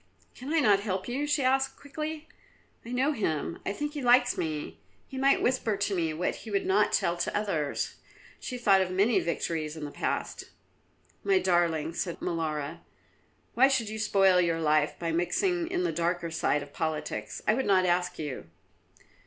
"Can I not help you?" she asked quickly. "I know him; I think he likes me. He might whisper to me what he would not tell to others." She thought of many victories in the past. "My darling," said Molara, "why should you spoil your life by mixing in the darker side of politics? I would not ask you."